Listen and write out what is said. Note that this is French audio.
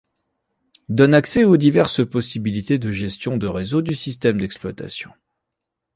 Donne accès aux diverses possibilités de gestion de réseau du système d'exploitation.